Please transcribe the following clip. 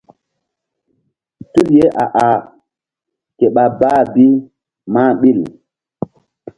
Tul ye a-ah ke ɓa bah bi mah ɓil.